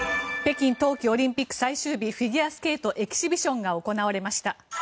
北京冬季オリンピック最終日フィギュアスケートエキシビションが行われました。